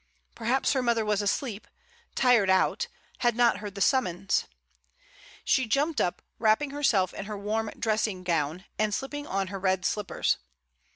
Perhaps her mother was asleep, tired out, had not heard the summons. She jumped up, wrapping herself in her warm dressing gown, and slipping on her red slippers.